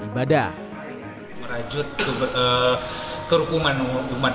pemkot bandar lampung berjanji akan melaksanakan rekomendasi dari fkub dan kemenak terkait izin rumah ibadah